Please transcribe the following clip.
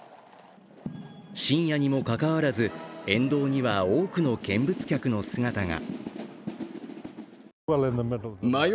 深夜にもかかわらず、沿道には多くの見物客の姿が。